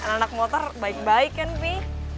anak anak motor baik baik kan py